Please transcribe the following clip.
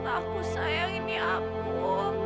aku sayang ini aku